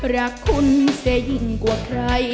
รักคุณเสียยิ่งกว่าใคร